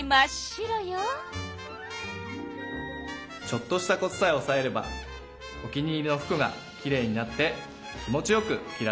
ちょっとしたコツさえおさえればお気に入りの服がきれいになって気持ちよく着られますよ。